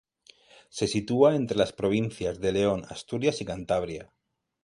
Se sitúa entre las provincias de León, Asturias, y Cantabria.